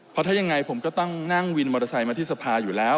เพราะถ้ายังไงผมก็ต้องนั่งวินมอเตอร์ไซค์มาที่สภาอยู่แล้ว